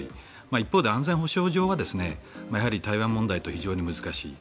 一方で安全保障上は台湾問題と非常に難しいと。